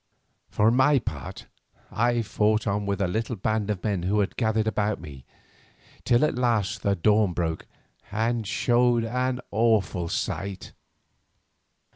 For my part I fought on with a little band of men who had gathered about me, till at last the dawn broke and showed an awful sight.